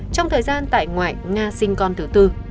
trong thời gian tại ngoại nga sinh con thứ tư